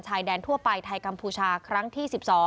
ชายแดนทั่วไปไทยกัมพูชาครั้งที่๑๒